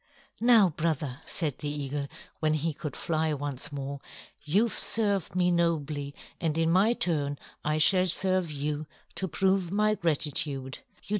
"Now, brother," said the eagle, when he could fly once more, "you've served me nobly, and in my turn I shall serve you to prove my gratitude.